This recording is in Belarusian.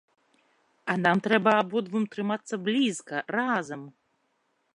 А нам трэба абодвум трымацца блізка, разам.